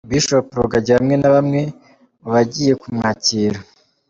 Bishop Rugagi hamwe na bamwe mu bagiye kumwakira.